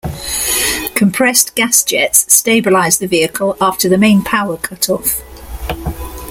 Compressed gas jets stabilized the vehicle after the main power cutoff.